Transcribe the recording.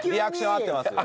合ってますね。